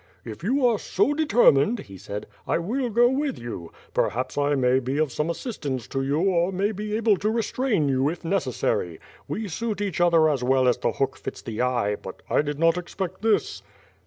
"If you are so determined," he said, "I will go with you. Perhaps I may be of some aj?sistance to you or may be able to restrain you if necessary. We suit each other as well as the hook fits the eye, but I did not expect this.'